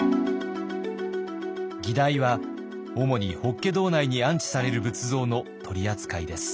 議題は主に法華堂内に安置される仏像の取り扱いです。